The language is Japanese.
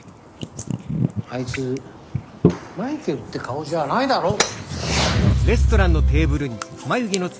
あいつマイケルって顔じゃないだろう。